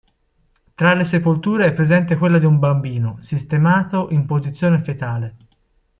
Tra le sepolture è presente quella di un bambino, sistemato in posizione fetale.